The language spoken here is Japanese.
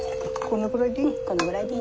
このぐらいでいい？